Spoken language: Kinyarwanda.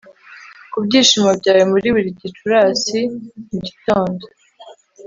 ku byishimo byawe buri gicurasi mu gitondo